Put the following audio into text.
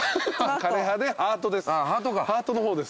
枯れ葉でハートです。